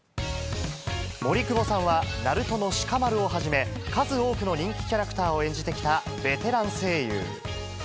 森久保さんは、ナルトのシカマルをはじめ、数多くの人気キャラクターを演じてきたベテラン声優。